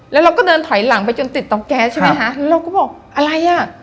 แล้วเราก็เดินถอยหลังไปจนติดเตาแก๊สใช่ไหมคะเราก็บอกอะไรอ่ะ